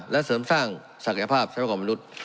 และเสริมสร้างศักยภาพทรัพของมนุษย์